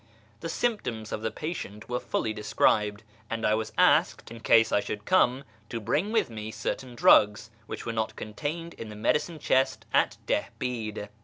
The symptoms of the patient were fully described, and I was asked, in case I could come, to bring with me certain drugs which were not contained in the medicine chest at Dihbid.